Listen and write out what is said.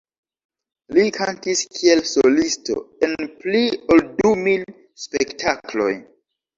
Li kantis kiel solisto en pli ol du mil spektakloj.